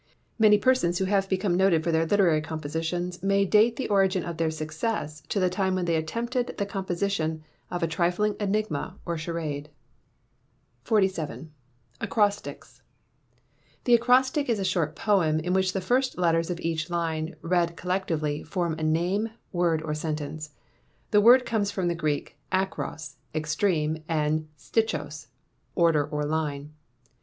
Many persons who have become noted for their literary compositions may date the origin of their success to the time when they attempted the composition of a trifling enigma or charade. 47. Acrostics. The acrostic is a short poem in which the first letters of each line, read collectively, form a name, word, or sentence. The word comes from the Greek akros, extreme, and stichos, order or line.